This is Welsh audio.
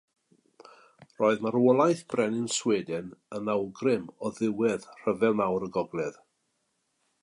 Roedd marwolaeth brenin Sweden yn awgrym o ddiwedd Rhyfel Mawr y Gogledd.